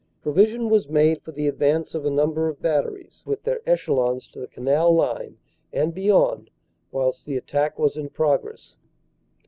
Pro vision was made for the advance of a number of batteries with their Echelons to the Canal line and beyond whilst the attack was in progress.